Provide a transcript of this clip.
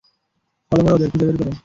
Follow করো ওদের, খুঁজে বের করো।